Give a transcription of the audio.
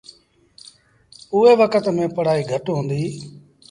اُئي وکت ميݩ پڙهآئيٚ گھٽ هُݩديٚ۔